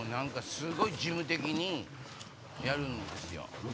すごい事務的にやるんですよ